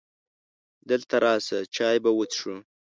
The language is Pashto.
دلته راشه! چای به وڅښو .